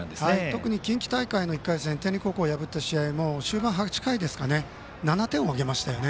特に近畿大会の１回戦天理高校を破った試合も終盤の８回７点を挙げました。